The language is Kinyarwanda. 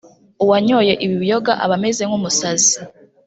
Uwanyoye ibi biyoga aba ameze nk’umusazi